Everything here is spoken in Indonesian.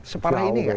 separah ini gak